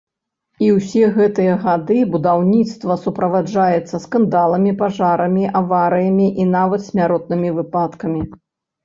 І ўсе гэтыя гады будаўніцтва суправаджаецца скандаламі, пажарамі, аварыямі і нават смяротнымі выпадкамі.